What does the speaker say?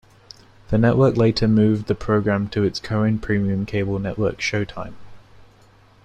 The network later moved the program to its co-owned premium cable network Showtime.